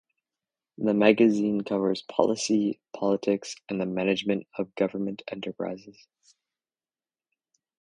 The magazine covers policy, politics and the management of government enterprises.